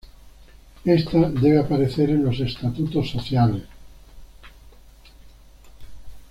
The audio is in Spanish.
Esta debe aparecer en los estatutos sociales.